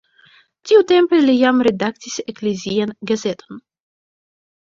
Tiutempe li jam redaktis eklezian gazeton.